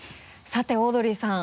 さてオードリーさん。